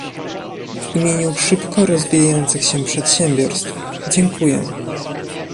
W imieniu szybko rozwijających się przedsiębiorstw, dziękuję